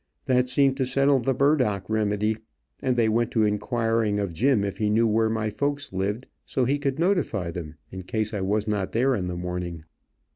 That seemed to settle the burdock remedy, and they went to inquiring of Jim if he knew where my folks lived, so he could notify them, in case I was not there in the morning.